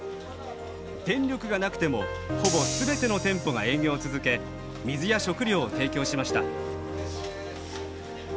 電力がなくてもほぼ全ての店舗が営業を続け水や食料を提供しました。